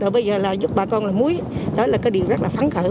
đó là cái điều rất là phán khởi